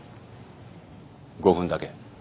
５分だけ。